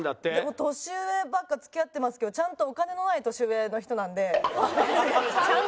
でも年上ばっか付き合ってますけどちゃんとお金のない年上の人なんで。